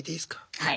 はい。